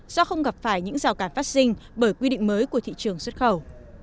do không gặp phải những rào cản phát sinh bởi quy định mới của thị trường xuất khẩu